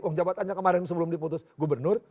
uang jabatannya kemarin sebelum diputus gubernur